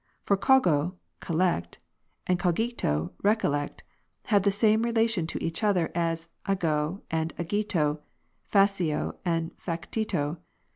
For cogo (collect) and cogito (re collect) have the same relation to each other as ago and agito, faclo and factito.